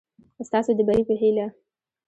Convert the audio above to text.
ستاسو د بري په هېله